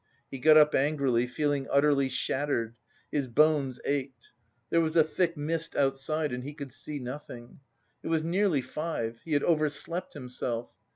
He got up angrily, feeling utterly shattered; his bones ached. There was a thick mist outside and he could see nothing. It was nearly five. He had overslept himself!